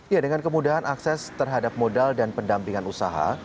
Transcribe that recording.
ya dengan kemudahan akses terhadap modal dan pendampingan usaha